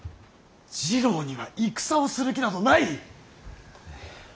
次郎には戦をする気などない！